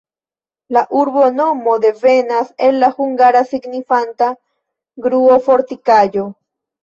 La urbonomo devenas el la hungara signifanta: gruo-fortikaĵo.